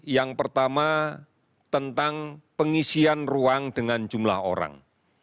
yang pertama tentang pengisian ruang dengan jumlah orang